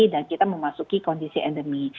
dan kita memasuki kondisi endemi